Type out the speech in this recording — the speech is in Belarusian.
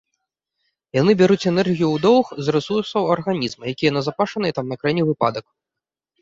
Яны бяруць энергію ў доўг з рэсурсаў арганізма, якія назапашаныя там на крайні выпадак.